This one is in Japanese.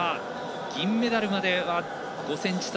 銀メダルまでは５ｃｍ差。